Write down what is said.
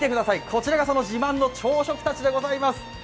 こちらがその自慢の朝食たちでございます。